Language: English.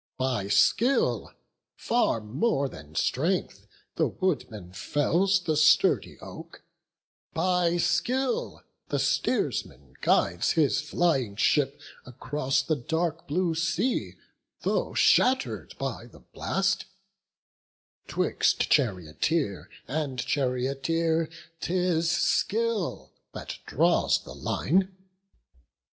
By skill, far more than strength, the woodman fells The sturdy oak; by skill the steersman guides His flying ship across the dark blue sea, Though shatter'd by the blast; 'twixt charioteer And charioteer 'tis skill that draws the line.